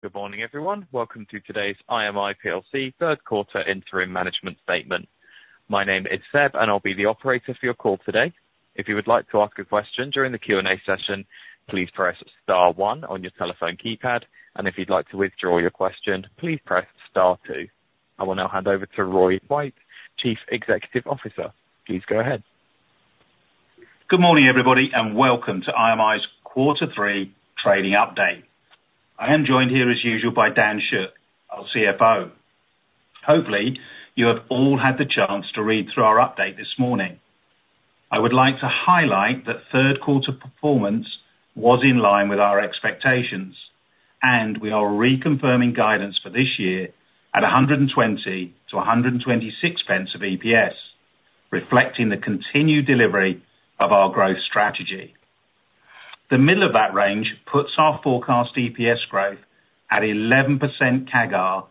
Good morning, everyone. Welcome to today's IMI plc third quarter interim management statement. My name is Seb, and I'll be the operator for your call today. If you would like to ask a question during the Q&A session, please press star one on your telephone keypad, and if you'd like to withdraw your question, please press star two. I will now hand over to Roy Twite, Chief Executive Officer. Please go ahead. Good morning, everybody, and welcome to IMI's quarter three trading update. I am joined here, as usual, by Dan Shook, our CFO. Hopefully, you have all had the chance to read through our update this morning. I would like to highlight that third quarter performance was in line with our expectations, and we are reconfirming guidance for this year at 120-126 pence of EPS, reflecting the continued delivery of our growth strategy. The middle of that range puts our forecast EPS growth at 11% CAGR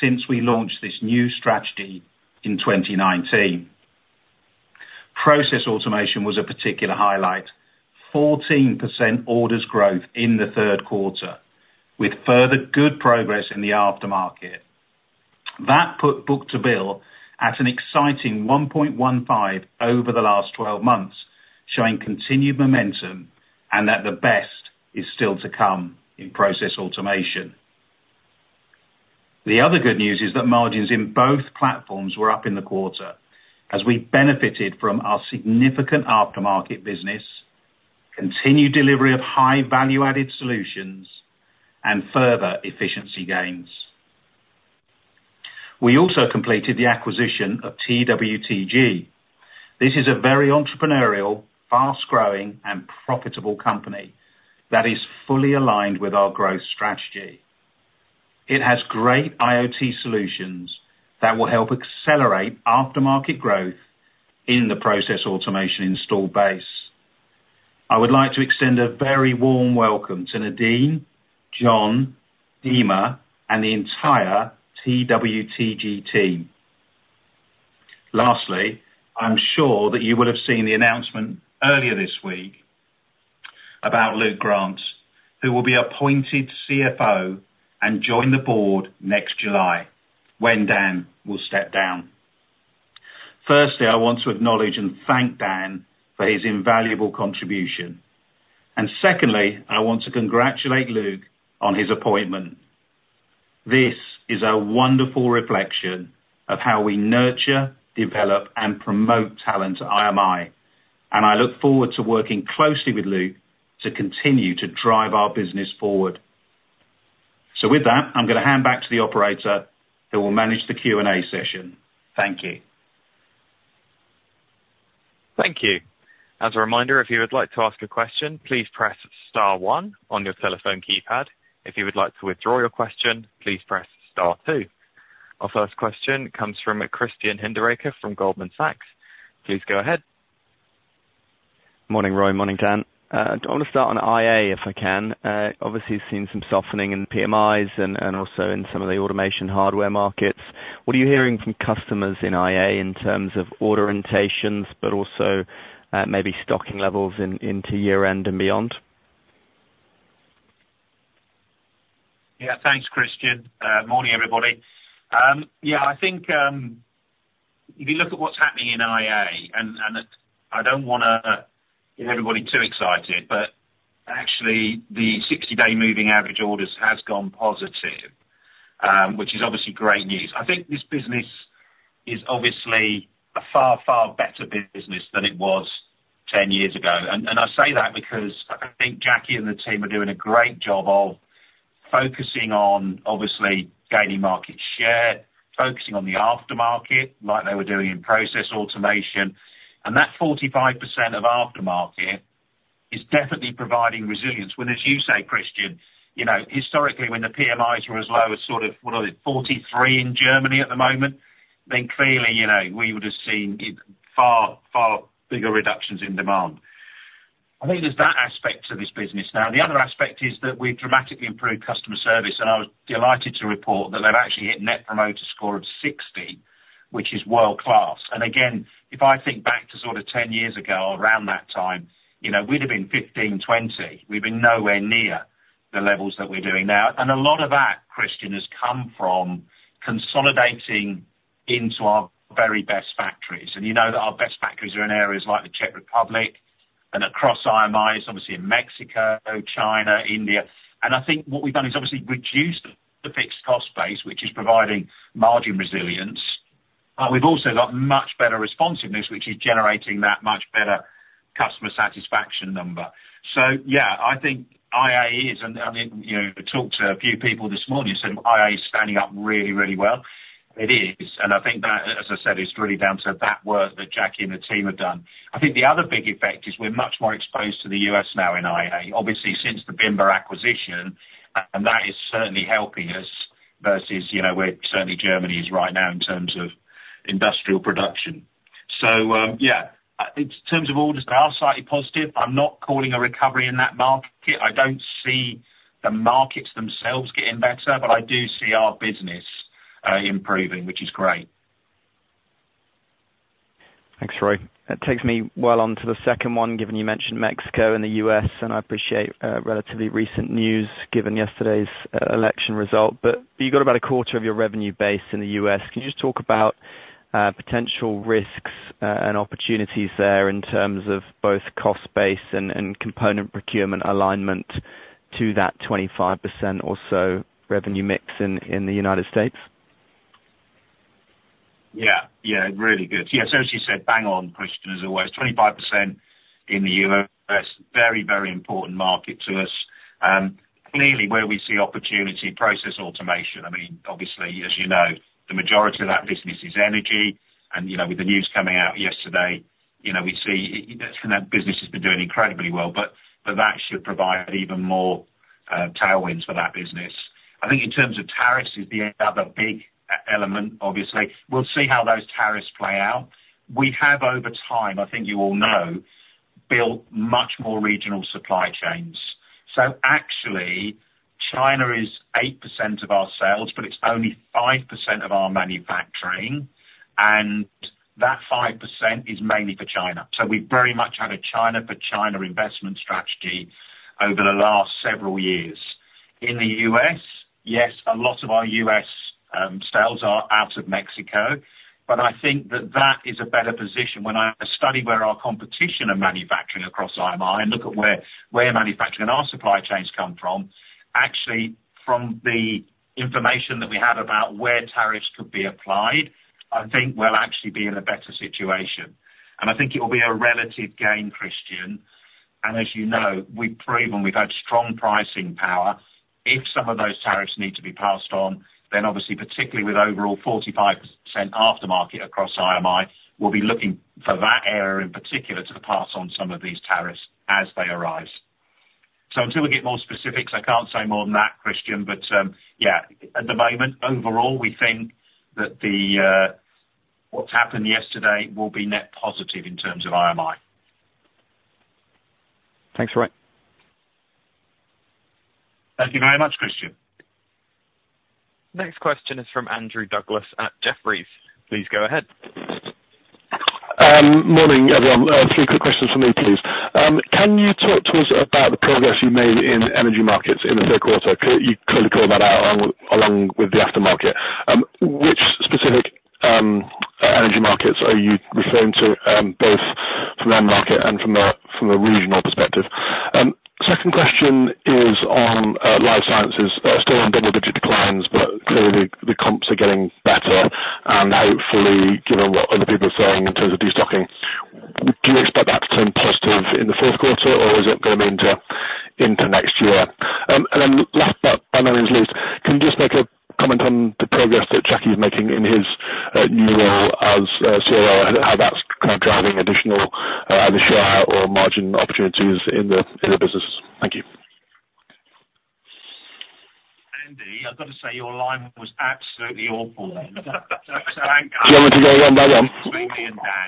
since we launched this new strategy in 2019. Process automation was a particular highlight: 14% orders growth in the third quarter, with further good progress in the aftermarket. That put book to bill at an exciting 1.15 over the last 12 months, showing continued momentum and that the best is still to come in Process Automation. The other good news is that margins in both platforms were up in the quarter, as we benefited from our significant aftermarket business, continued delivery of high value-added solutions, and further efficiency gains. We also completed the acquisition of TWTG. This is a very entrepreneurial, fast-growing, and profitable company that is fully aligned with our growth strategy. It has great IoT solutions that will help accelerate aftermarket growth in the process automation installed base. I would like to extend a very warm welcome to Nadine, John, Dimme, and the entire TWTG team. Lastly, I'm sure that you will have seen the announcement earlier this week about Luke Grant, who will be appointed CFO and join the board next July, when Dan will step down. Firstly, I want to acknowledge and thank Dan for his invaluable contribution. And secondly, I want to congratulate Luke on his appointment. This is a wonderful reflection of how we nurture, develop, and promote talent at IMI, and I look forward to working closely with Luke to continue to drive our business forward. So with that, I'm going to hand back to the operator who will manage the Q&A session. Thank you. Thank you. As a reminder, if you would like to ask a question, please press star one on your telephone keypad. If you would like to withdraw your question, please press star two. Our first question comes from Christian Hinderaker from Goldman Sachs. Please go ahead. Morning, Roy. Morning, Dan. I want to start on IA if I can. Obviously, you've seen some softening in PMIs and also in some of the automation hardware markets. What are you hearing from customers in IA in terms of order orientations, but also maybe stocking levels into year-end and beyond? Yeah, thanks, Christian. Morning, everybody. Yeah, I think if you look at what's happening in IA, and I don't want to get everybody too excited, but actually, the 60-day moving average orders have gone positive, which is obviously great news. I think this business is obviously a far, far better business than it was 10 years ago. And I say that because I think Jackie and the team are doing a great job of focusing on, obviously, gaining market share, focusing on the aftermarket like they were doing in process automation. And that 45% of aftermarket is definitely providing resilience. When, as you say, Christian, historically, when the PMIs were as low as sort of, what is it, 43 in Germany at the moment, then clearly we would have seen far, far bigger reductions in demand. I think there's that aspect to this business. Now, the other aspect is that we've dramatically improved customer service, and I was delighted to report that they've actually hit Net Promoter Score of 60, which is world-class. And again, if I think back to sort of 10 years ago, around that time, we'd have been 15, 20. We'd have been nowhere near the levels that we're doing now. And a lot of that, Christian, has come from consolidating into our very best factories. And you know that our best factories are in areas like the Czech Republic and across IMI's, obviously in Mexico, China, India. And I think what we've done is obviously reduced the fixed cost base, which is providing margin resilience. But we've also got much better responsiveness, which is generating that much better customer satisfaction number. So yeah, I think IA is, and I talked to a few people this morning who said IA is standing up really, really well. It is. And I think that, as I said, it's really down to that work that Jackie and the team have done. I think the other big effect is we're much more exposed to the U.S. now in IA, obviously since the Bimba acquisition, and that is certainly helping us versus where certainly Germany is right now in terms of industrial production. So yeah, in terms of orders, they are slightly positive. I'm not calling a recovery in that market. I don't see the markets themselves getting better, but I do see our business improving, which is great. Thanks, Roy. That takes me well on to the second one, given you mentioned Mexico and the US, and I appreciate relatively recent news given yesterday's election result. But you've got about a quarter of your revenue base in the US. Can you just talk about potential risks and opportunities there in terms of both cost base and component procurement alignment to that 25% or so revenue mix in the United States? Yeah, yeah, really good. Yeah, so as you said, bang-on question as always. 25% in the U.S., very, very important market to us. Clearly, where we see opportunity, process automation. I mean, obviously, as you know, the majority of that business is energy. And with the news coming out yesterday, we see that business has been doing incredibly well, but that should provide even more tailwinds for that business. I think in terms of tariffs is the other big element, obviously. We'll see how those tariffs play out. We have over time, I think you all know, built much more regional supply chains. So actually, China is 8% of our sales, but it's only 5% of our manufacturing. And that 5% is mainly for China. So we've very much had a China for China investment strategy over the last several years. In the U.S., yes, a lot of our U.S. sales are out of Mexico, but I think that is a better position. When I study where our competition are manufacturing across IMI and look at where manufacturing and our supply chains come from, actually, from the information that we have about where tariffs could be applied, I think we'll actually be in a better situation, and I think it will be a relative gain, Christian, and as you know, we've proven we've had strong pricing power. If some of those tariffs need to be passed on, then obviously, particularly with overall 45% aftermarket across IMI, we'll be looking for that area in particular to pass on some of these tariffs as they arise, so until we get more specifics, I can't say more than that, Christian. But yeah, at the moment, overall, we think that what's happened yesterday will be net positive in terms of IMI. Thanks, Roy. Thank you very much, Christian. Next question is from Andrew Douglas at Jefferies. Please go ahead. Morning, everyone. Three quick questions for me, please. Can you talk to us about the progress you made in energy markets in the third quarter? You clearly called that out along with the aftermarket. Which specific energy markets are you referring to, both from the end market and from a regional perspective? Second question is on Life Sciences. Still on double-digit declines, but clearly the comps are getting better, and hopefully, given what other people are saying in terms of destocking, do you expect that to turn positive in the fourth quarter, or is it going to be into next year? And then last, but by no means least, can you just make a comment on the progress that Jackie's making in his new role as CFO, how that's kind of driving additional either share or margin opportunities in the business? Thank you. Andy, I've got to say, your line was absolutely awful. Do you want me to go one by one? Dan, right?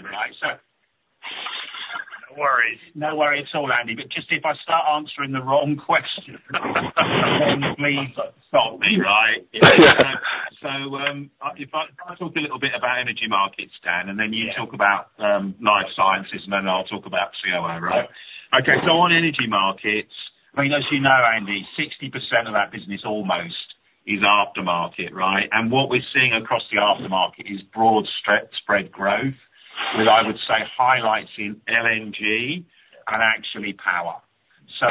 No worries. No worries at all, Andy. But just if I start answering the wrong question, then please stop me, right? So if I talk a little bit about energy markets, Dan, and then you talk about life sciences, and then I'll talk about COO, right? Okay, so on energy markets, I mean, as you know, Andy, 60% of that business almost is aftermarket, right? And what we're seeing across the aftermarket is broad spread growth, with, I would say, highlights in LNG and actually power. So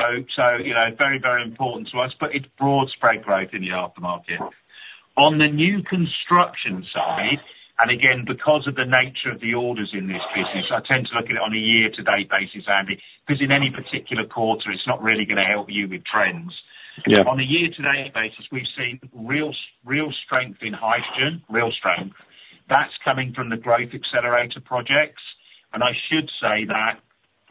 very, very important to us, but it's broad spread growth in the aftermarket. On the new construction side, and again, because of the nature of the orders in this business, I tend to look at it on a year-to-date basis, Andy, because in any particular quarter, it's not really going to help you with trends. On a year-to-date basis, we've seen real strength in hydrogen, real strength. That's coming from the growth accelerator projects. And I should say that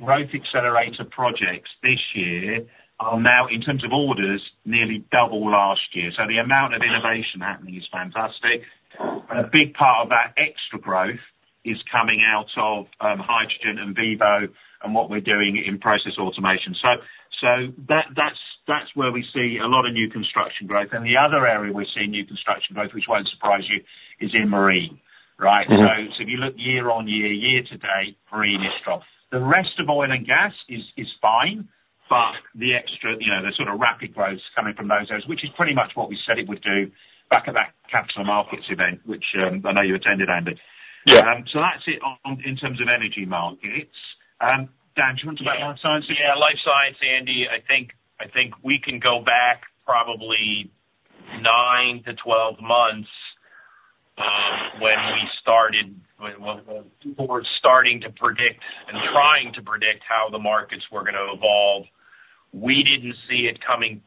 Growth Accelerator projects this year are now, in terms of orders, nearly double last year. So the amount of innovation happening is fantastic. And a big part of that extra growth is coming out of hydrogen and VIVO and what we're doing in process automation. So that's where we see a lot of new construction growth. And the other area we're seeing new construction growth, which won't surprise you, is in marine, right? So if you look year on year, year-to-date, marine is strong. The rest of oil and gas is fine, but the extra, the sort of rapid growth is coming from those areas, which is pretty much what we said it would do back at that capital markets event, which I know you attended, Andy. So that's it in terms of energy markets. Dan, do you want to talk about life sciences? Yeah, life sciences, Andy. I think we can go back probably nine to 12 months when we started, when people were starting to predict and trying to predict how the markets were going to evolve. We didn't see it coming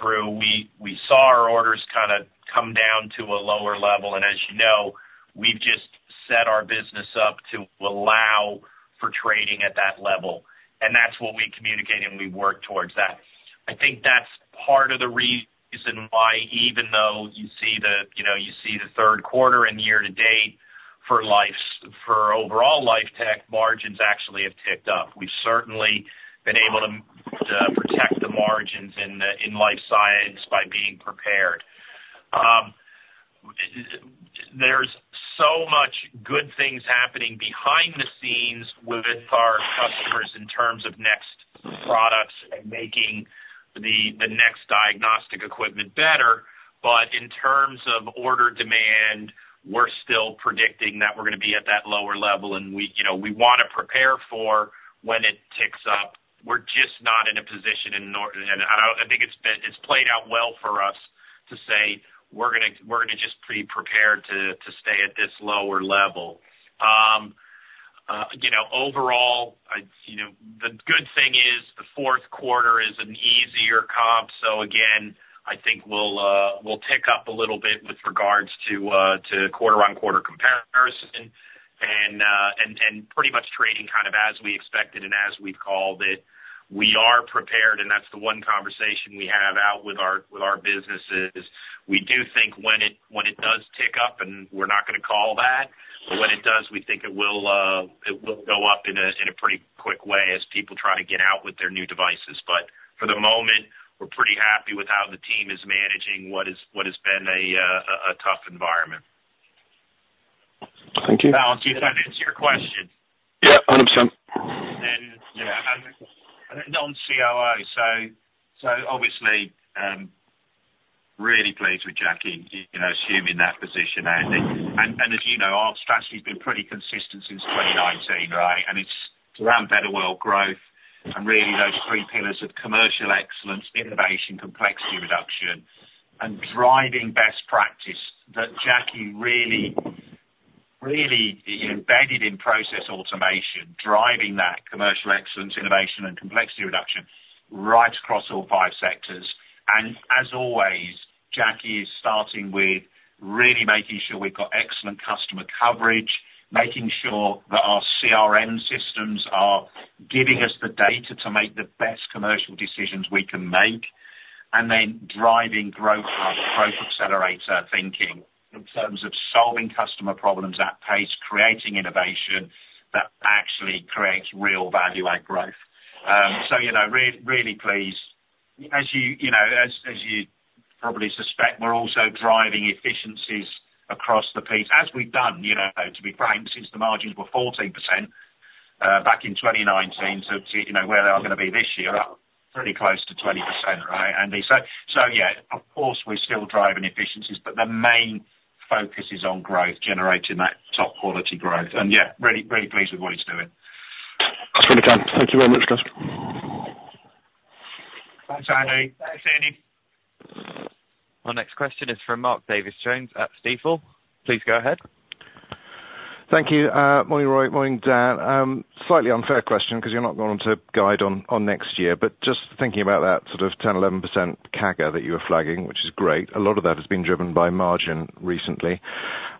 through. We saw our orders kind of come down to a lower level. And as you know, we've just set our business up to allow for trading at that level. And that's what we communicate, and we work towards that. I think that's part of the reason why, even though you see the third quarter and year-to-date for overall Life Tech margins actually have ticked up. We've certainly been able to protect the margins in Life Science by being prepared. There's so much good things happening behind the scenes with our customers in terms of next products and making the next diagnostic equipment better. But in terms of order demand, we're still predicting that we're going to be at that lower level, and we want to prepare for when it ticks up. We're just not in a position, and I think it's played out well for us to say we're going to just be prepared to stay at this lower level. Overall, the good thing is the fourth quarter is an easier comp. So again, I think we'll tick up a little bit with regards to quarter-on-quarter comparison and pretty much trading kind of as we expected and as we've called it. We are prepared, and that's the one conversation we have out with our businesses. We do think when it does tick up, and we're not going to call that, but when it does, we think it will go up in a pretty quick way as people try to get out with their new devices. But for the moment, we're pretty happy with how the team is managing what has been a tough environment. Thank you. Alex, you said it's your question. Yeah, 100%. I'm so obviously really pleased with Jackie assuming that position, Andy. As you know, our strategy has been pretty consistent since 2019, right? It's around Better World growth and really those three pillars of commercial excellence, innovation, complexity reduction, and driving best practice that Jackie really embedded in process automation, driving that commercial excellence, innovation, and complexity reduction right across all five sectors. As always, Jackie is starting with really making sure we've got excellent customer coverage, making sure that our CRM systems are giving us the data to make the best commercial decisions we can make, and then driving growth as growth accelerator thinking in terms of solving customer problems at pace, creating innovation that actually creates real value-add growth. So, really pleased, as you probably suspect, we're also driving efficiencies across the piece, as we've done, to be frank, since the margins were 14% back in 2019 to where they are going to be this year, pretty close to 20%, right? And so yeah, of course, we're still driving efficiencies, but the main focus is on growth, generating that top-quality growth. And yeah, really pleased with what he's doing. That's really good. Thank you very much, guys. Thanks, Andy. Our next question is from Mark Davies Jones at Stifel. Please go ahead. Thank you. Morning, Roy. Morning, Dan. Slightly unfair question because you're not going to guide on next year, but just thinking about that sort of 10-11% CAGR that you were flagging, which is great. A lot of that has been driven by margin recently.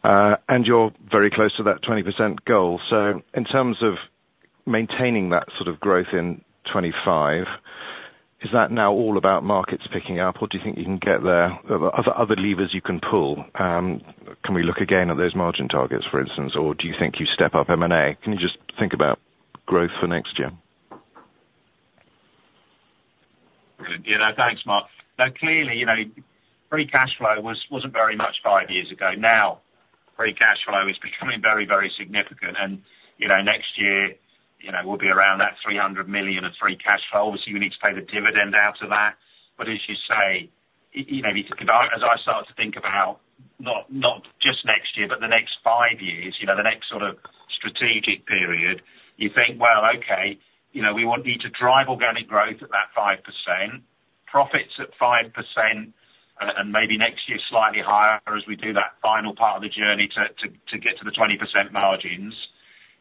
And you're very close to that 20% goal. So in terms of maintaining that sort of growth in 2025, is that now all about markets picking up, or do you think you can get there? Are there other levers you can pull? Can we look again at those margin targets, for instance, or do you think you step up M&A? Can you just think about growth for next year? Thanks, Mark. Now, clearly, free cash flow wasn't very much five years ago. Now, free cash flow is becoming very, very significant. And next year, we'll be around that 300 million of free cash flow. Obviously, we need to pay the dividend out of that. But as you say, as I start to think about not just next year, but the next five years, the next sort of strategic period, you think, well, okay, we need to drive organic growth at that 5%, profits at 5%, and maybe next year slightly higher as we do that final part of the journey to get to the 20% margins.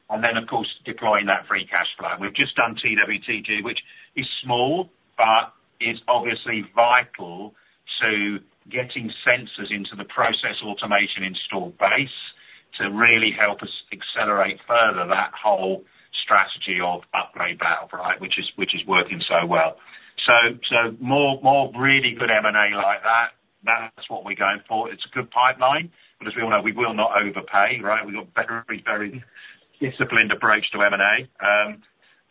And then, of course, deploying that free cash flow. And we've just done TWTG, which is small, but is obviously vital to getting sensors into the process automation installed base to really help us accelerate further that whole strategy of upgrade valve, right, which is working so well. So more really good M&A like that, that's what we're going for. It's a good pipeline, but as we all know, we will not overpay, right? We've got a very, very disciplined approach to M&A.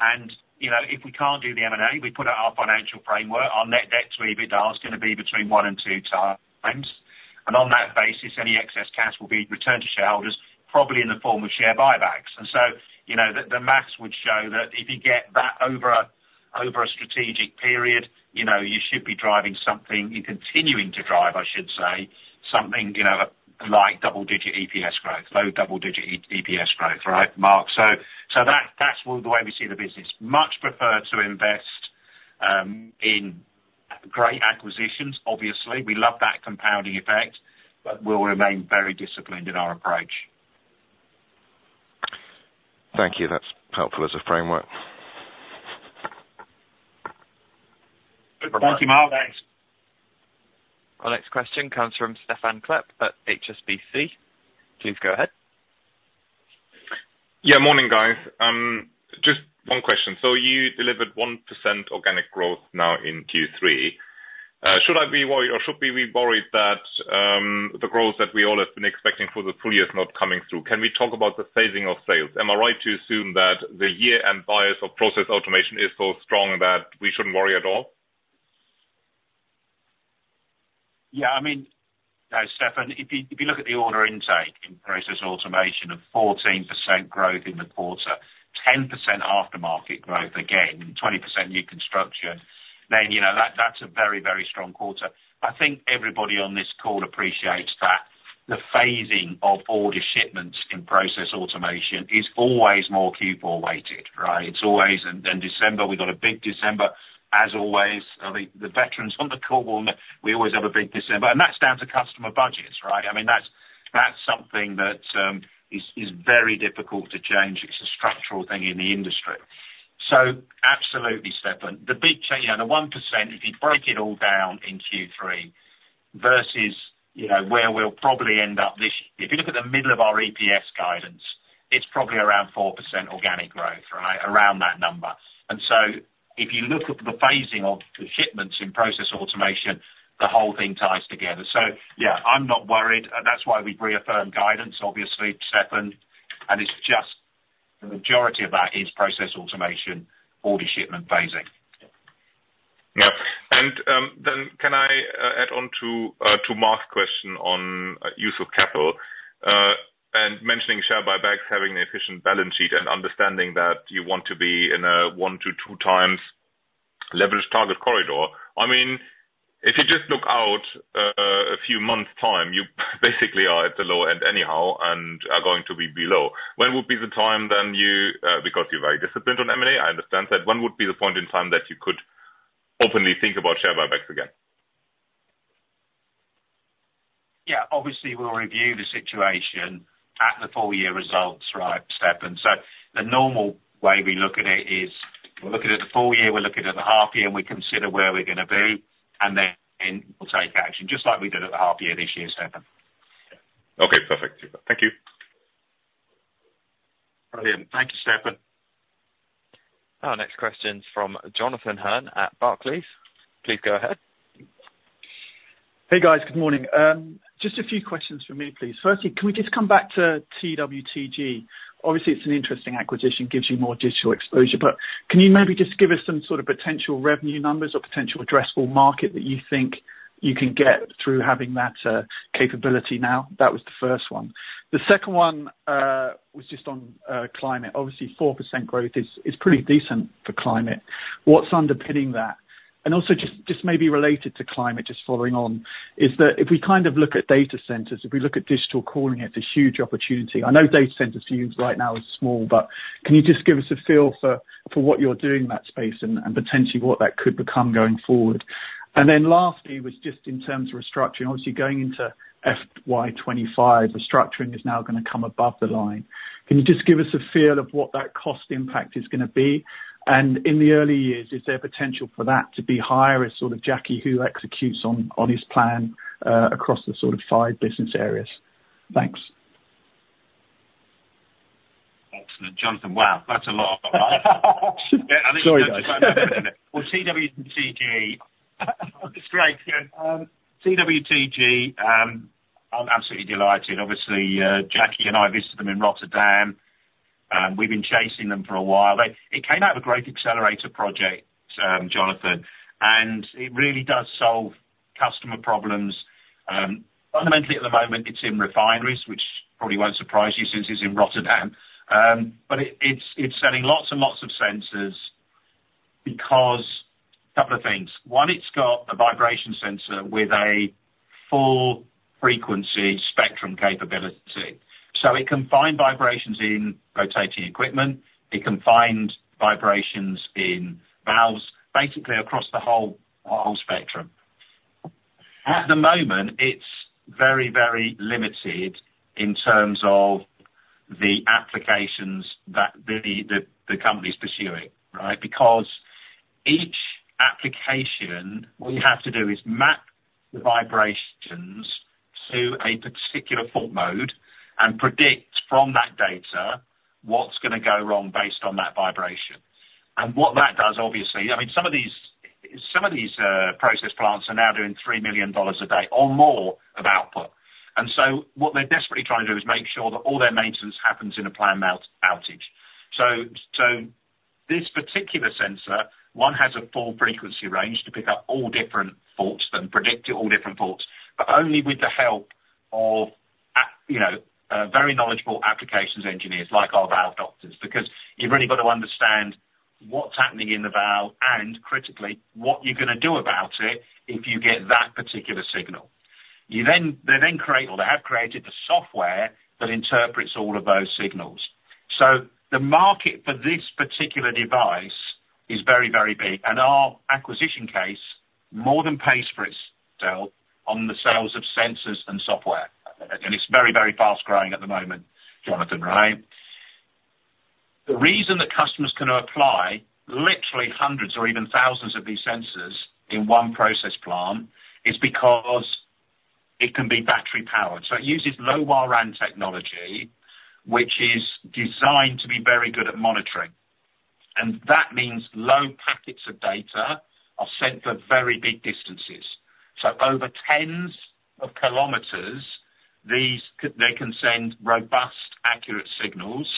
And if we can't do the M&A, we put out our financial framework. Our net debt to EBITDA is going to be between one and two times. And on that basis, any excess cash will be returned to shareholders, probably in the form of share buybacks. And so the math would show that if you get that over a strategic period, you should be driving something and continuing to drive, I should say, something like double-digit EPS growth, low double-digit EPS growth, right, Mark? So that's the way we see the business. Much prefer to invest in great acquisitions, obviously. We love that compounding effect, but we'll remain very disciplined in our approach. Thank you. That's helpful as a framework. Thank you, Mark. Thanks. Our next question comes from Stefan Klepp at HSBC. Please go ahead. Yeah, morning, guys. Just one question. So you delivered 1% organic growth now in Q3. Should I be worried or should we be worried that the growth that we all have been expecting for the full year is not coming through? Can we talk about the phasing of sales? Am I right to assume that the year-end bias of process automation is so strong that we shouldn't worry at all? Yeah, I mean, Stefan, if you look at the order intake in process automation of 14% growth in the quarter, 10% aftermarket growth again, 20% new construction, then that's a very, very strong quarter. I think everybody on this call appreciates that. The phasing of order shipments in process automation is always more Q4-weighted, right? And December, we've got a big December. As always, the veterans on the call will know we always have a big December. And that's down to customer budgets, right? I mean, that's something that is very difficult to change. It's a structural thing in the industry. So absolutely, Stefan. The big change, the 1%, if you break it all down in Q3 versus where we'll probably end up this year, if you look at the middle of our EPS guidance, it's probably around 4% organic growth, right? Around that number. And so if you look at the phasing of shipments in process automation, the whole thing ties together. So yeah, I'm not worried. That's why we reaffirm guidance, obviously, Stefan. And it's just the majority of that is process automation, order shipment phasing. Yeah. And then can I add on to Mark's question on use of capital and mentioning share buybacks, having an efficient balance sheet and understanding that you want to be in a one to two times leveraged target corridor? I mean, if you just look out a few months' time, you basically are at the lower end anyhow and are going to be below. When would be the time then, because you're very disciplined on M&A, I understand that. When would be the point in time that you could openly think about share buybacks again? Yeah, obviously, we'll review the situation at the full year results, right, Stefan? So the normal way we look at it is we're looking at the full year, we're looking at the half year, and we consider where we're going to be, and then we'll take action just like we did at the half year this year, Stefan. Okay, perfect. Thank you. Brilliant. Thank you, Stefan. Our next question is from Jonathan Hearn at Barclays. Please go ahead. Hey, guys. Good morning. Just a few questions for me, please. Firstly, can we just come back to TWTG? Obviously, it's an interesting acquisition, gives you more digital exposure, but can you maybe just give us some sort of potential revenue numbers or potential addressable market that you think you can get through having that capability now? That was the first one. The second one was just on Climate. Obviously, 4% growth is pretty decent for Climate. What's underpinning that? And also just maybe related to Climate, just following on, is that if we kind of look at data centers, if we look at digital cooling, it's a huge opportunity. I know data centers for you right now are small, but can you just give us a feel for what you're doing in that space and potentially what that could become going forward? And then lastly, was just in terms of restructuring, obviously going into FY25, restructuring is now going to come above the line. Can you just give us a feel of what that cost impact is going to be? And in the early years, is there potential for that to be higher as sort of Jackie Hu executes on his plan across the sort of five business areas? Thanks. Excellent. Jonathan, wow, that's a lot. Sorry, guys. TWTG. It's great. TWTG, I'm absolutely delighted. Obviously, Jackie and I visited them in Rotterdam. We've been chasing them for a while. It came out of a great accelerator project, Jonathan, and it really does solve customer problems. Fundamentally, at the moment, it's in refineries, which probably won't surprise you since it's in Rotterdam. But it's selling lots and lots of sensors because a couple of things. One, it's got a vibration sensor with a full frequency spectrum capability. So it can find vibrations in rotating equipment. It can find vibrations in valves, basically across the whole spectrum. At the moment, it's very, very limited in terms of the applications that the company is pursuing, right? Because each application we have to do is map the vibrations to a particular fault mode and predict from that data what's going to go wrong based on that vibration. What that does, obviously, I mean, some of these process plants are now doing $3 million a day or more of output. What they're desperately trying to do is make sure that all their maintenance happens in a planned outage. This particular sensor, one has a full frequency range to pick up all different faults and predict all different faults, but only with the help of very knowledgeable applications engineers like our Valve Doctors, because you've really got to understand what's happening in the valve and, critically, what you're going to do about it if you get that particular signal. They then create, or they have created, the software that interprets all of those signals. The market for this particular device is very, very big. Our acquisition case more than pays for itself on the sales of sensors and software. It's very, very fast growing at the moment, Jonathan, right? The reason that customers can apply literally hundreds or even thousands of these sensors in one process plant is because it can be battery powered. So it uses LoRaWAN technology, which is designed to be very good at monitoring. And that means low packets of data are sent for very big distances. So over tens of kilometers, they can send robust, accurate signals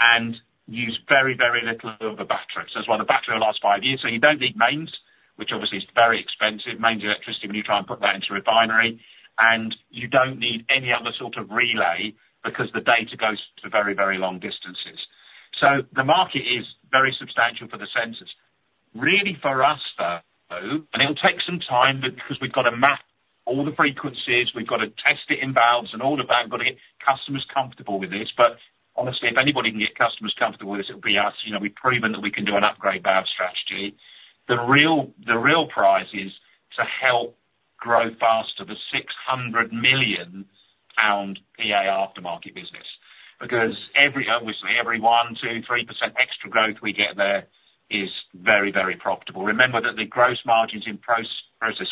and use very, very little of the battery. So it's got the battery lasts five years. So you don't need mains, which obviously is very expensive, mains electricity when you try and put that into a refinery. And you don't need any other sort of relay because the data goes to very, very long distances. So the market is very substantial for the sensors. Really, for us, though, and it'll take some time because we've got to map all the frequencies, we've got to test it in valves and all of that, we've got to get customers comfortable with this. But honestly, if anybody can get customers comfortable with this, it'll be us. We've proven that we can do an upgrade valve strategy. The real prize is to help grow faster the 600 million pound PA aftermarket business. Because obviously, every 1, 2, 3% extra growth we get there is very, very profitable. Remember that the gross margins in process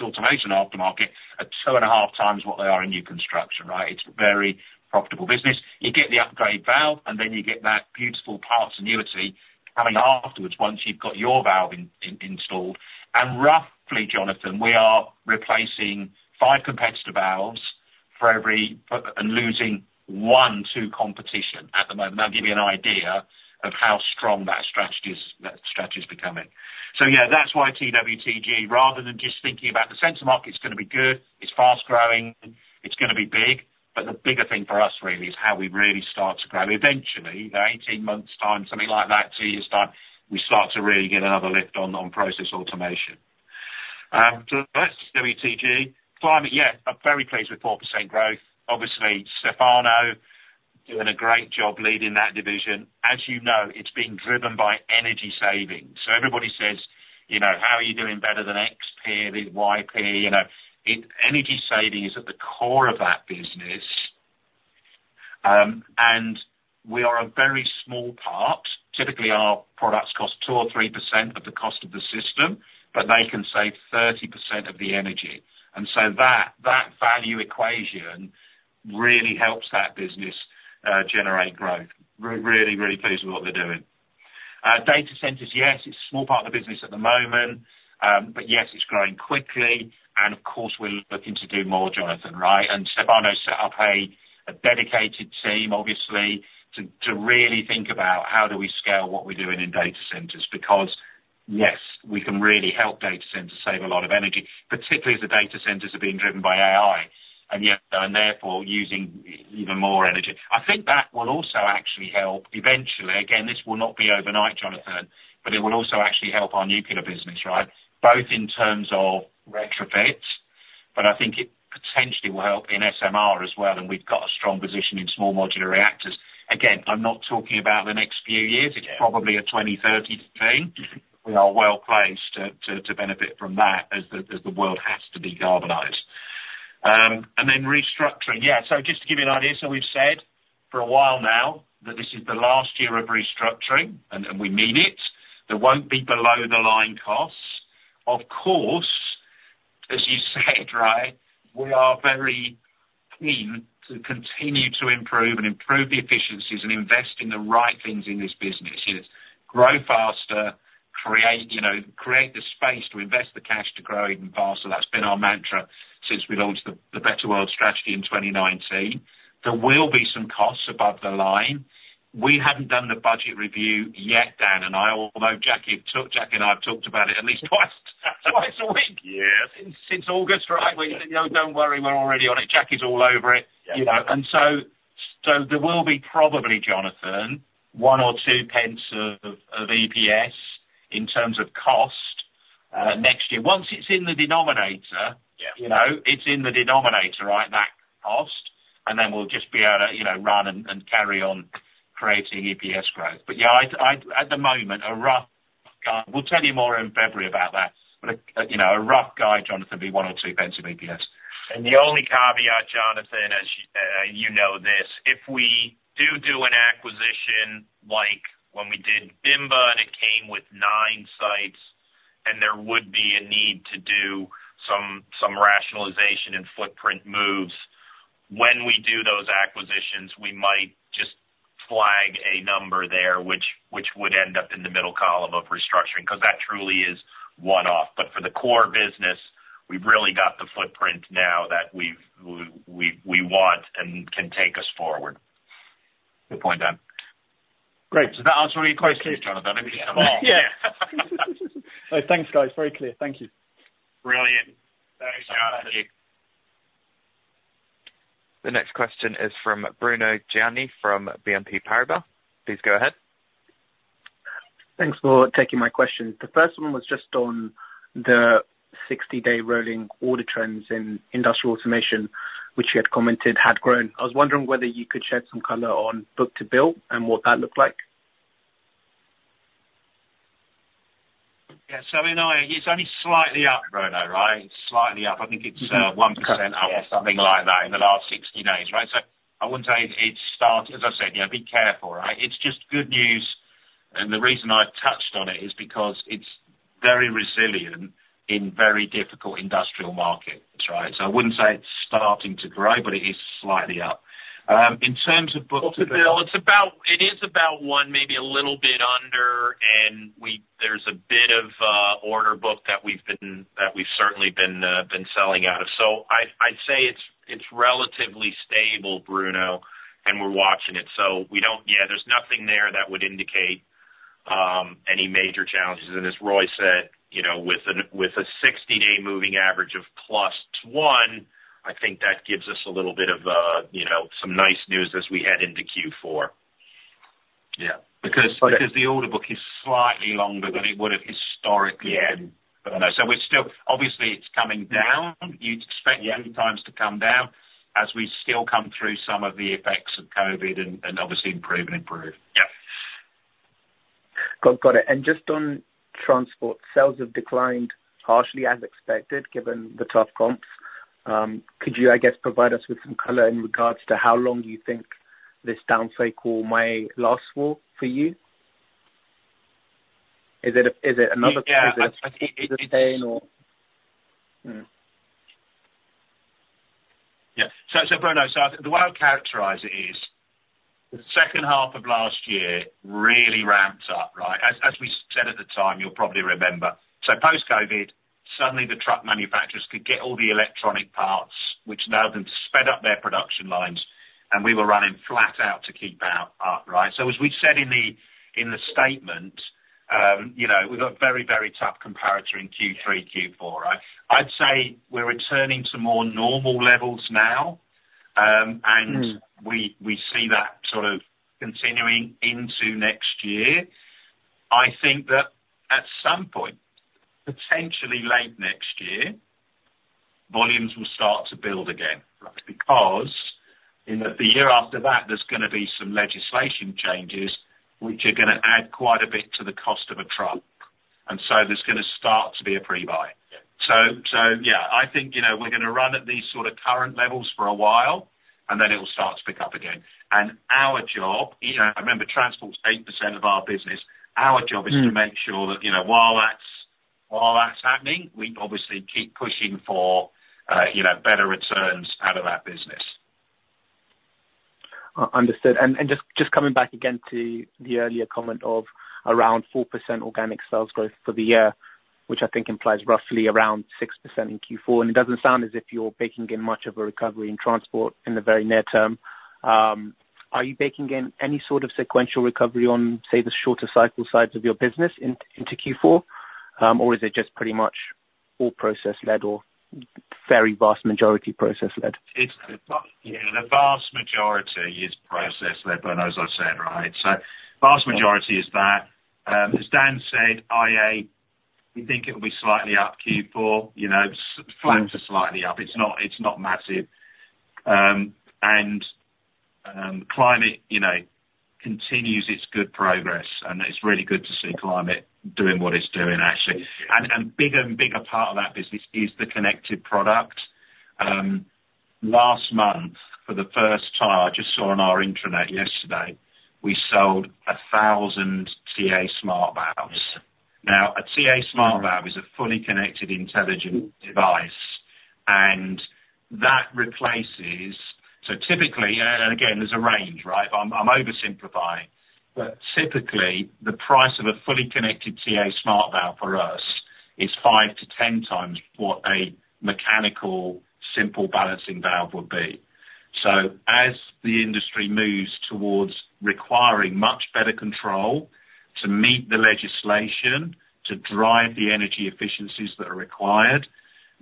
automation aftermarket are two and a half times what they are in new construction, right? It's a very profitable business. You get the upgrade valve, and then you get that beautiful part annuity coming afterwards once you've got your valve installed. And roughly, Jonathan, we are replacing five competitor valves for every and losing one to competition at the moment. That'll give you an idea of how strong that strategy is becoming. So yeah, that's why TWTG, rather than just thinking about the sensor market, it's going to be good, it's fast growing, it's going to be big. But the bigger thing for us really is how we really start to grow eventually. 18 months' time, something like that, two years' time, we start to really get another lift on process automation. So that's TWTG. Climate, yeah, very pleased with 4% growth. Obviously, Stefano doing a great job leading that division. As you know, it's being driven by energy savings. So everybody says, "How are you doing better than X, P, Y, P?" Energy saving is at the core of that business. And we are a very small part. Typically, our products cost 2 or 3% of the cost of the system, but they can save 30% of the energy. And so that value equation really helps that business generate growth. Really, really pleased with what they're doing. Data centers, yes, it's a small part of the business at the moment. But yes, it's growing quickly. And of course, we're looking to do more, Jonathan, right? And Stefano set up a dedicated team, obviously, to really think about how do we scale what we're doing in data centers? Because yes, we can really help data centers save a lot of energy, particularly as the data centers are being driven by AI and therefore using even more energy. I think that will also actually help eventually. Again, this will not be overnight, Jonathan, but it will also actually help our nuclear business, right? Both in terms of retrofits, but I think it potentially will help in SMR as well. And we've got a strong position in small modular reactors. Again, I'm not talking about the next few years. It's probably a 2030 thing. We are well placed to benefit from that as the world has to be decarbonized. And then restructuring, yeah. So just to give you an idea, so we've said for a while now that this is the last year of restructuring, and we mean it. There won't be below-the-line costs. Of course, as you said, right, we are very keen to continue to improve and improve the efficiencies and invest in the right things in this business. Grow faster, create the space to invest the cash to grow even faster. That's been our mantra since we launched the Better World strategy in 2019. There will be some costs above the line. We haven't done the budget review yet, Dan, and I know Jack and I have talked about it at least twice a week since August, right? We said, "No, don't worry, we're already on it." Jack is all over it, and so there will be probably, Jonathan, one or two pence of EPS in terms of cost next year. Once it's in the denominator, it's in the denominator, right, that cost. And then we'll just be able to run and carry on creating EPS growth, but yeah, at the moment, a rough guide, we'll tell you more in February about that. But a rough guide, Jonathan, would be one or two pence of EPS. And the only caveat, Jonathan, as you know this, if we do do an acquisition like when we did Bimba and it came with nine sites, and there would be a need to do some rationalization and footprint moves, when we do those acquisitions, we might just flag a number there, which would end up in the middle column of restructuring because that truly is one-off. But for the core business, we've really got the footprint now that we want and can take us forward. Good point, Dan. Great. So that answers all your questions, Jonathan. Thank you so much. Yeah. Thanks, guys. Very clear. Thank you. Brilliant. Thanks, Jonathan. The next question is from Bruno Giani from BNP Paribas. Please go ahead. Thanks for taking my question. The first one was just on the 60-day rolling order trends in Industrial Automation, which you had commented had grown. I was wondering whether you could shed some color on book to bill and what that looked like? Yeah. So I mean, it's only slightly up, Bruno, right? It's slightly up. I think it's 1% up or something like that in the last 60 days, right? So I wouldn't say it's starting, as I said, be careful, right? It's just good news. And the reason I touched on it is because it's very resilient in very difficult industrial markets, right? So I wouldn't say it's starting to grow, but it is slightly up. In terms of book to bill, it is about one, maybe a little bit under, and there's a bit of order book that we've certainly been selling out of. So I'd say it's relatively stable, Bruno, and we're watching it. So yeah, there's nothing there that would indicate any major challenges. As Roy said, with a 60-day moving average of plus one, I think that gives us a little bit of some nice news as we head into Q4. Yeah. Because the order book is slightly longer than it would have historically been. So obviously, it's coming down. You'd expect sometimes to come down as we still come through some of the effects of COVID and obviously improve and improve. Yeah. Got it. And just on Transport, sales have declined harshly as expected given the tough comps. Could you, I guess, provide us with some color in regards to how long you think this downside call may last for you? Is it another? Yeah. Yeah. Yeah. So Bruno, so the way I'll characterize it is the second half of last year really ramped up, right? As we said at the time, you'll probably remember. So post-COVID, suddenly the truck manufacturers could get all the electronic parts, which allowed them to speed up their production lines. And we were running flat out to keep up, right? So as we said in the statement, we've got a very, very tough comparator in Q3, Q4, right? I'd say we're returning to more normal levels now, and we see that sort of continuing into next year. I think that at some point, potentially late next year, volumes will start to build again because in the year after that, there's going to be some legislation changes which are going to add quite a bit to the cost of a truck. And so there's going to start to be a prebuy. So yeah, I think we're going to run at these sort of current levels for a while, and then it will start to pick up again. And our job, I remember, transport's 8% of our business. Our job is to make sure that while that's happening, we obviously keep pushing for better returns out of that business. Understood. Just coming back again to the earlier comment of around 4% organic sales growth for the year, which I think implies roughly around 6% in Q4. It doesn't sound as if you're baking in much of a recovery in transport in the very near term. Are you baking in any sort of sequential recovery on, say, the shorter cycle sides of your business into Q4, or is it just pretty much all process-led or very vast majority process-led? Yeah. The vast majority is process-led, Bruno, as I said, right? So vast majority is that. As Dan said, I think it'll be slightly up Q4, flat to slightly up. It's not massive. And climate continues its good progress. And it's really good to see climate doing what it's doing, actually. And a bigger and bigger part of that business is the connected product. Last month, for the first time, I just saw on our intranet yesterday, we sold 1,000 TA-Smart valves. Now, a TA-Smart valve is a fully connected intelligent device. And that replaces so typically, and again, there's a range, right? I'm oversimplifying. But typically, the price of a fully connected TA-Smart valve for us is five to 10 times what a mechanical simple balancing valve would be. So as the industry moves towards requiring much better control to meet the legislation to drive the energy efficiencies that are required,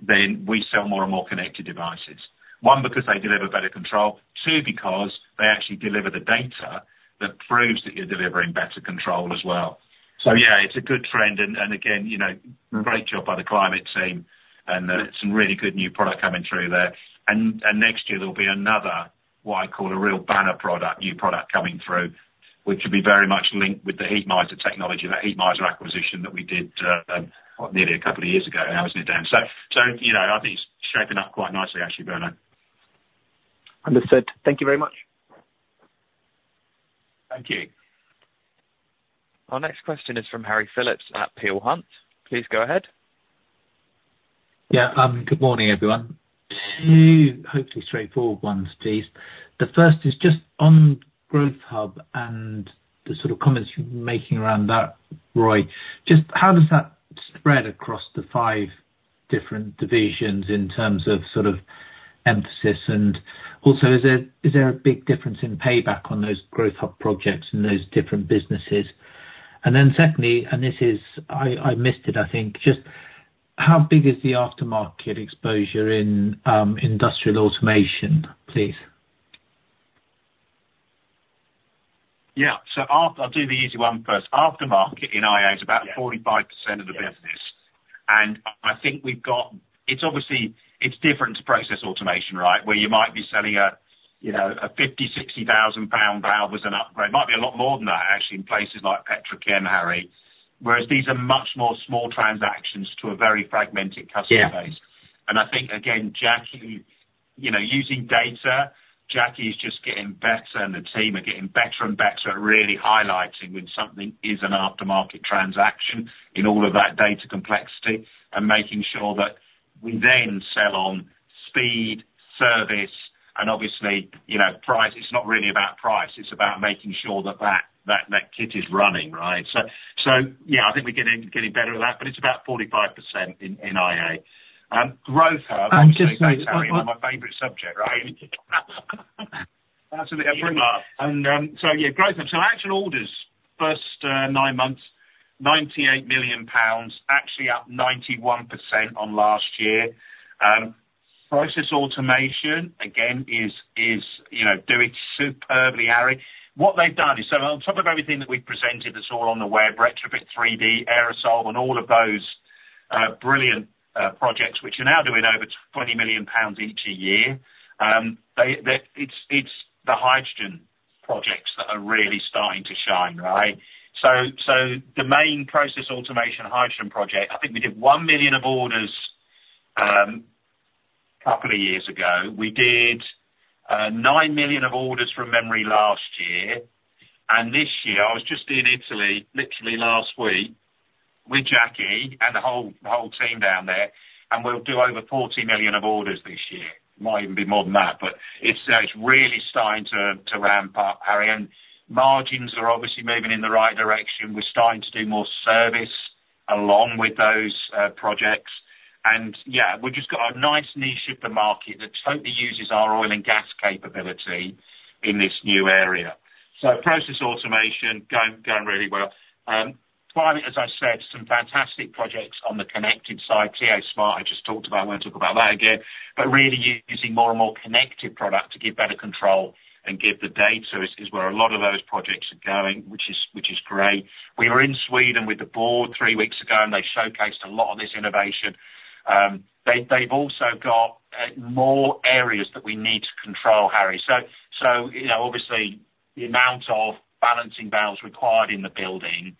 then we sell more and more connected devices. One, because they deliver better control. Two, because they actually deliver the data that proves that you're delivering better control as well. So yeah, it's a good trend. And again, great job by the climate team. And it's some really good new product coming through there. And next year, there'll be another, what I call a real banner product, new product coming through, which will be very much linked with the Heatmiser technology, that Heatmiser acquisition that we did nearly a couple of years ago, wasn't it, Dan? So I think it's shaping up quite nicely, actually, Bruno. Understood. Thank you very much. Thank you. Our next question is from Harry Phillips at Peel Hunt. Please go ahead. Yeah. Good morning, everyone. Two hopefully straightforward ones, please. The first is just on Growth Hub and the sort of comments you're making around that, Roy. Just how does that spread across the five different divisions in terms of sort of emphasis? And also, is there a big difference in payback on those Growth Hub projects in those different businesses? And then secondly, and this is I missed it, I think, just how big is the aftermarket exposure in industrial automation, please? Yeah. So I'll do the easy one first. Aftermarket in IA is about 45% of the business. And I think we've got it's obviously different to process automation, right? Where you might be selling a 50,000-pound, 60,000-pound valve as an upgrade. It might be a lot more than that, actually, in places like petrochem, Harry. Whereas these are much more small transactions to a very fragmented customer base. And I think, again, Jackie, using data, Jackie is just getting better, and the team are getting better and better at really highlighting when something is an aftermarket transaction in all of that data complexity and making sure that we then sell on speed, service, and obviously price. It's not really about price. It's about making sure that that kit is running, right? So yeah, I think we're getting better at that, but it's about 45% in IA. Growth Hub, obviously, that's my favorite subject, right? Absolutely. And so yeah, Growth Hub. So actual orders, first nine months, 98 million pounds, actually up 91% on last year. Process automation, again, is doing superbly, Harry. What they've done is, so on top of everything that we've presented that's all on the web, Retrofit3D, EroSolve, and all of those brilliant projects, which are now doing over 20 million pounds each a year, it's the hydrogen projects that are really starting to shine, right? So the main process automation hydrogen project, I think we did 1 million of orders a couple of years ago. We did 9 million of orders from memory last year. And this year, I was just in Italy literally last week with Jackie and the whole team down there. And we'll do over 40 million of orders this year. It might even be more than that. But it's really starting to ramp up, Harry. And margins are obviously moving in the right direction. We're starting to do more service along with those projects. And yeah, we've just got a nice niche of the market that totally uses our oil and gas capability in this new area. So process automation going really well. Climate, as I said, some fantastic projects on the connected side. TA-Smart, I just talked about. I won't talk about that again. But really using more and more connected product to give better control and give the data is where a lot of those projects are going, which is great. We were in Sweden with the board three weeks ago, and they showcased a lot of this innovation. They've also got more areas that we need to control, Harry. So obviously, the amount of balancing valves required in the building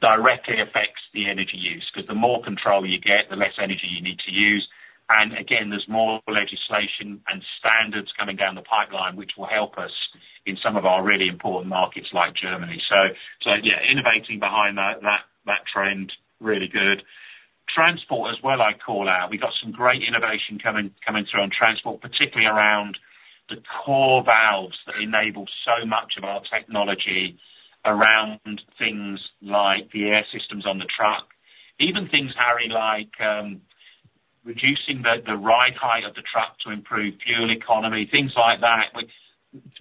directly affects the energy use because the more control you get, the less energy you need to use. And again, there's more legislation and standards coming down the pipeline, which will help us in some of our really important markets like Germany. So yeah, innovating behind that trend, really good. Transport as well, I call out. We've got some great innovation coming through on transport, particularly around the core valves that enable so much of our technology around things like the air systems on the truck. Even things, Harry, like reducing the ride height of the truck to improve fuel economy, things like that.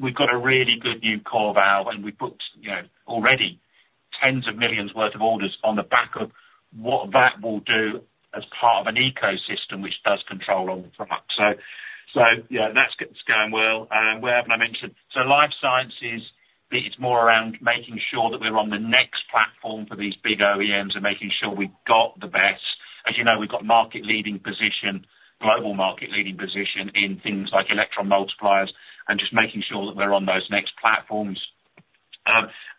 We've got a really good new core valve, and we've booked already tens of millions worth of orders on the back of what that will do as part of an ecosystem which does control on the truck. So yeah, that's going well. Where have I mentioned? So life sciences, it's more around making sure that we're on the next platform for these big OEMs and making sure we've got the best. As you know, we've got a market-leading position, global market-leading position in things like electron multipliers and just making sure that we're on those next platforms.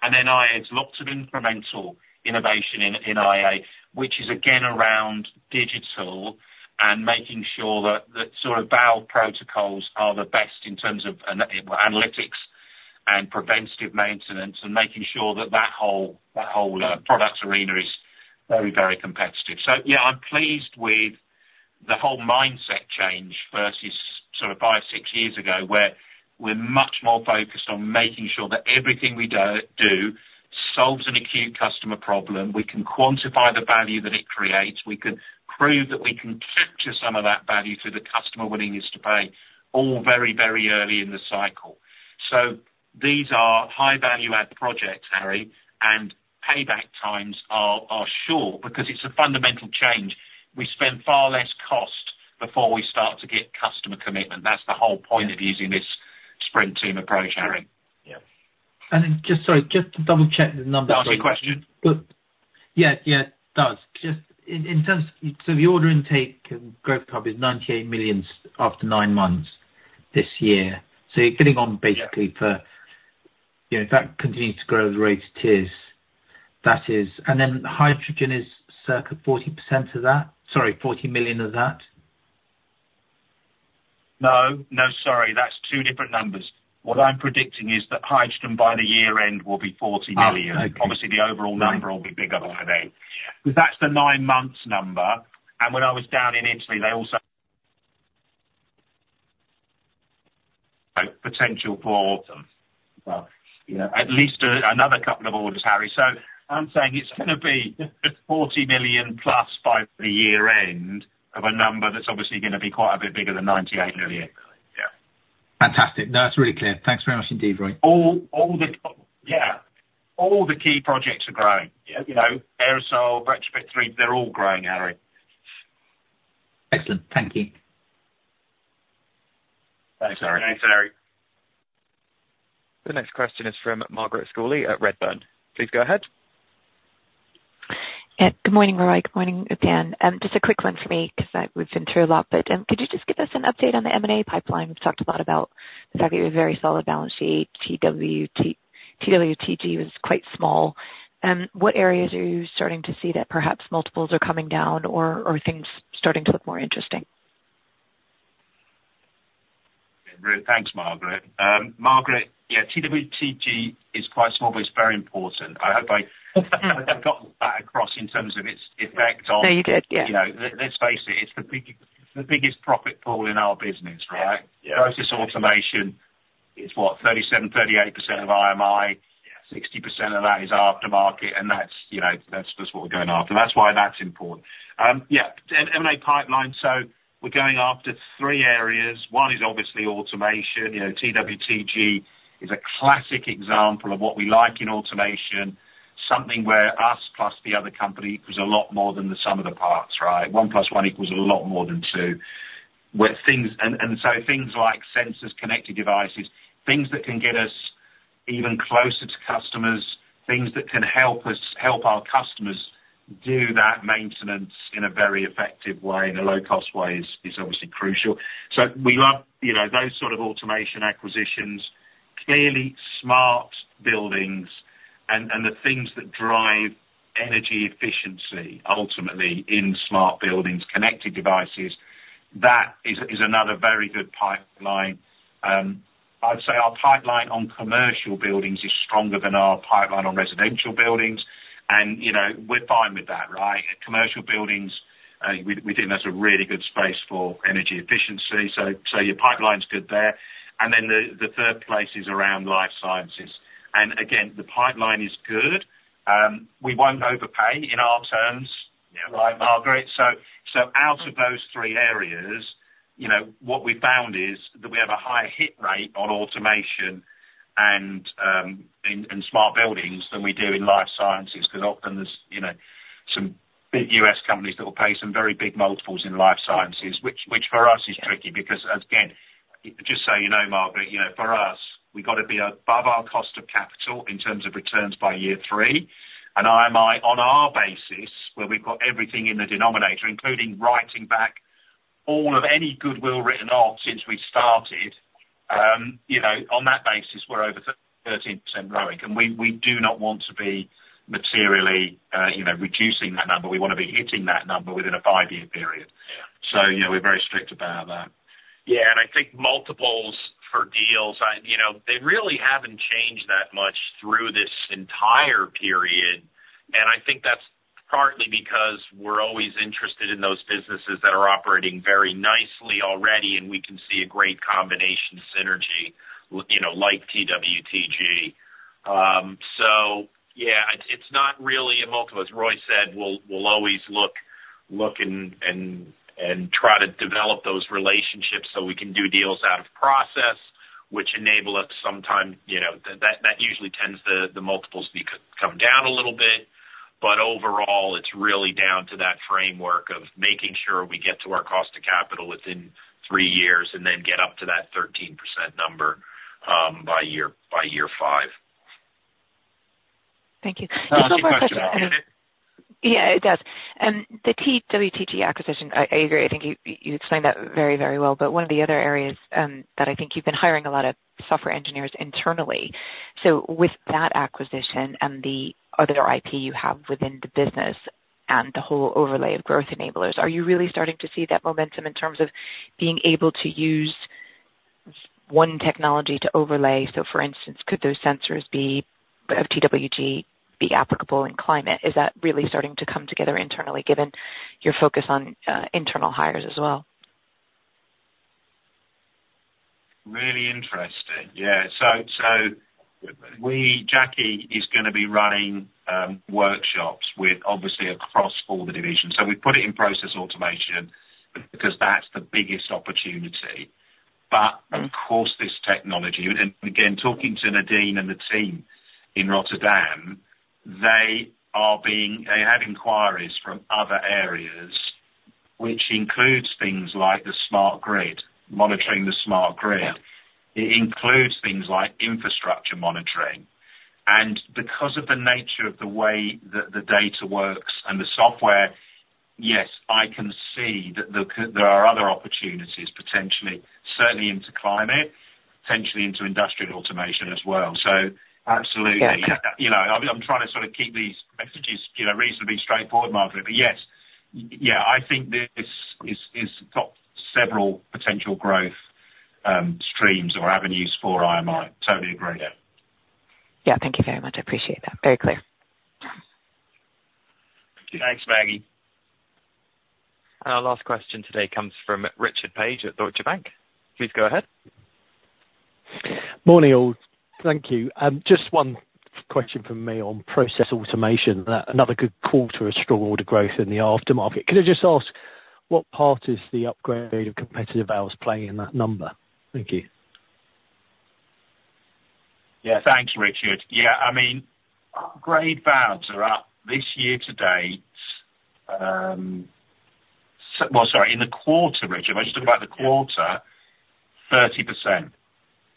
And then IA has lots of incremental innovation in IA, which is again around digital and making sure that sort of valve protocols are the best in terms of analytics and preventative maintenance and making sure that that whole product arena is very, very competitive. Yeah, I'm pleased with the whole mindset change versus sort of five, six years ago where we're much more focused on making sure that everything we do solves an acute customer problem. We can quantify the value that it creates. We can prove that we can capture some of that value through the customer willingness to pay all very, very early in the cycle. These are high-value-add projects, Harry, and payback times are short because it's a fundamental change. We spend far less cost before we start to get customer commitment. That's the whole point of using this sprint team approach, Harry. Just sorry, just to double-check the number. Not a question. Yeah, yeah. No, just in terms of so the order intake in Growth Hub is 98 million after nine months this year. So you're getting on basically for if that continues to grow at the rate it is, that is and then hydrogen is circa 40% of that? Sorry, 40 million of that? No, no, sorry. That's two different numbers. What I'm predicting is that hydrogen by the year-end will be £40 million. Obviously, the overall number will be bigger by then. But that's the nine-month number. And when I was down in Italy, there's also potential for at least another couple of orders, Harry. So I'm saying it's going to be £40 million plus by the year-end of a number that's obviously going to be quite a bit bigger than £98 million. Yeah. Fantastic. No, that's really clear. Thanks very much indeed, Roy. Yeah. All the key projects are growing. EroSolve, Retrofit3D, they're all growing, Harry. Excellent. Thank you. Thanks, Harry. The next question is from Margaret Scully at Redburn. Please go ahead. Yeah. Good morning, Roy. Good morning again. Just a quick one for me because we've been through a lot. But could you just give us an update on the M&A pipeline? We've talked a lot about the fact that you have a very solid balance sheet. TWTG was quite small. What areas are you starting to see that perhaps multiples are coming down or things starting to look more interesting? Thanks, Margaret. Margaret, yeah, TWTG is quite small, but it's very important. I hope I got that across in terms of its effect on. No, you did. Yeah. Let's face it. It's the biggest profit pool in our business, right? Process automation is, what, 37%-38% of IMI? 60% of that is aftermarket, and that's just what we're going after. That's why that's important. Yeah. M&A pipeline, so we're going after three areas. One is obviously automation. TWTG is a classic example of what we like in automation. Something where us plus the other company equals a lot more than the sum of the parts, right? One plus one equals a lot more than two. And so things like sensors, connected devices, things that can get us even closer to customers, things that can help our customers do that maintenance in a very effective way, in a low-cost way, is obviously crucial. So we love those sort of automation acquisitions, clearly smart buildings, and the things that drive energy efficiency ultimately in smart buildings, connected devices. That is another very good pipeline. I'd say our pipeline on commercial buildings is stronger than our pipeline on residential buildings. And we're fine with that, right? Commercial buildings, we think that's a really good space for energy efficiency. So your pipeline's good there. And then the third place is around life sciences. And again, the pipeline is good. We won't overpay in our terms, right, Margaret? So out of those three areas, what we found is that we have a higher hit rate on automation and smart buildings than we do in life sciences because often there's some big U.S. companies that will pay some very big multiples in life sciences, which for us is tricky because, again, just so you know, Margaret, for us, we've got to be above our cost of capital in terms of returns by year three. IMI, on our basis, where we've got everything in the denominator, including writing back all of any goodwill written off since we started, on that basis, we're over 13% growing. We do not want to be materially reducing that number. We want to be hitting that number within a five-year period. So we're very strict about that. Yeah. I think multiples for deals, they really haven't changed that much through this entire period. I think that's partly because we're always interested in those businesses that are operating very nicely already, and we can see a great combination synergy like TWTG. So yeah, it's not really a multiple. As Roy said, we'll always look and try to develop those relationships so we can do deals out of process, which enable us sometimes that usually tends to the multiples come down a little bit. But overall, it's really down to that framework of making sure we get to our cost of capital within three years and then get up to that 13% number by year five. Thank you. Just one more question. Yeah, it does. The TWTG acquisition, I agree. I think you explained that very, very well. But one of the other areas that I think you've been hiring a lot of software engineers internally. So with that acquisition and the other IP you have within the business and the whole overlay of growth enablers, are you really starting to see that momentum in terms of being able to use one technology to overlay? So for instance, could those sensors of TWTG be applicable in climate? Is that really starting to come together internally, given your focus on internal hires as well? Really interesting. Yeah. So Jackie is going to be running workshops with, obviously, across all the divisions. So we've put it in process automation because that's the biggest opportunity. But of course, this technology and again, talking to Nadine and the team in Rotterdam, they have inquiries from other areas, which includes things like the smart grid, monitoring the smart grid. It includes things like infrastructure monitoring. And because of the nature of the way that the data works and the software, yes, I can see that there are other opportunities potentially, certainly into climate, potentially into industrial automation as well. So absolutely. I'm trying to sort of keep these messages reasonably straightforward, Margaret. But yes, yeah, I think this has got several potential growth streams or avenues for IMI. Totally agree. Yeah. Thank you very much. I appreciate that. Very clear. Thanks, Maggie. Our last question today comes from Richard Page at Deutsche Bank. Please go ahead. Morning, all. Thank you. Just one question from me on process automation. Another good quarter of strong order growth in the aftermarket. Could I just ask what part is the upgrade of competitive valves playing in that number? Thank you. Yeah. Thanks, Richard. Yeah. I mean, upgrade valves are up this year to date. Well, sorry, in the quarter, Richard, I was just talking about the quarter, 30%.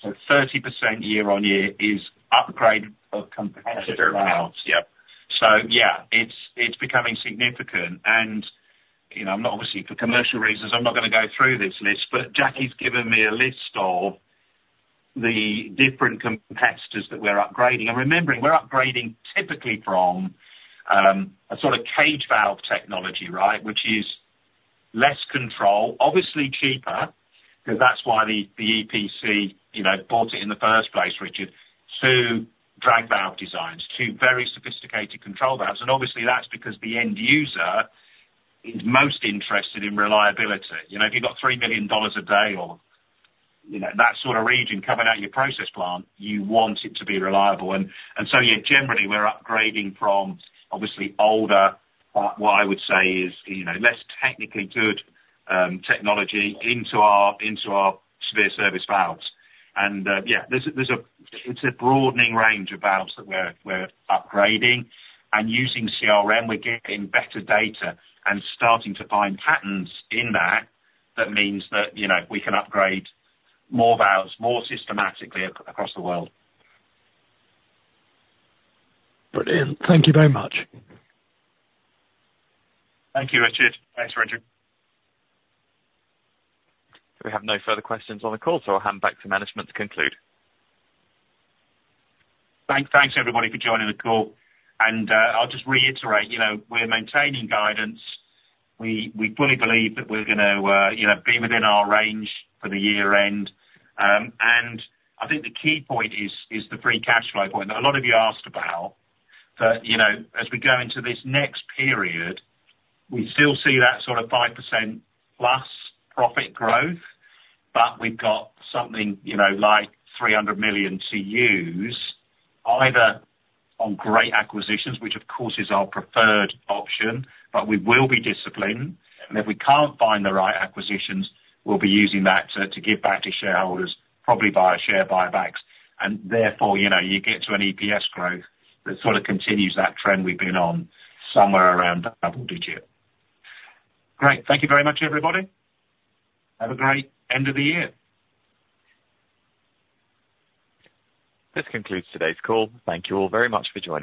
So 30% year-on-year is upgrade of competitive valves. Yeah. So yeah, it's becoming significant. And obviously, for commercial reasons, I'm not going to go through this list, but Jackie's given me a list of the different competitors that we're upgrading. And remembering, we're upgrading typically from a sort of cage valve technology, right, which is less control, obviously cheaper, because that's why the EPC bought it in the first place, Richard, to DRAG valve designs, to very sophisticated control valves. And obviously, that's because the end user is most interested in reliability. If you've got $3 million a day or that sort of range coming out of your process plant, you want it to be reliable. And so, yeah, generally, we're upgrading from obviously older, what I would say is less technically good technology into our severe service valves. Yeah, it's a broadening range of valves that we're upgrading. Using CRM, we're getting better data and starting to find patterns in that, that means that we can upgrade more valves more systematically across the world. Brilliant. Thank you very much. Thank you, Richard. Thanks, Richard. We have no further questions on the call, so I'll hand back to management to conclude. Thanks, everybody, for joining the call. And I'll just reiterate, we're maintaining guidance. We fully believe that we're going to be within our range for the year-end. And I think the key point is the free cash flow point that a lot of you asked about. But as we go into this next period, we still see that sort of 5% plus profit growth, but we've got something like £300 million to use, either on great acquisitions, which of course is our preferred option, but we will be disciplined. And if we can't find the right acquisitions, we'll be using that to give back to shareholders, probably share buybacks. And therefore, you get to an EPS growth that sort of continues that trend we've been on somewhere around double-digit. Great. Thank you very much, everybody. Have a great end of the year. This concludes today's call. Thank you all very much for joining.